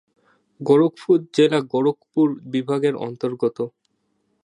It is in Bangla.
গোরখপুর জেলা গোরখপুর বিভাগের অন্তর্গত।